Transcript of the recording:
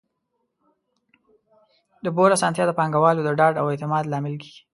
د پور اسانتیا د پانګوالو د ډاډ او اعتماد لامل کیږي.